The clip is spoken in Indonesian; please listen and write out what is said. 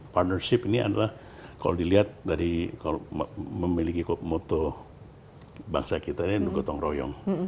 partnership ini adalah kalau dilihat dari memiliki kompomoto bangsa kita ini yang nunggu tong royong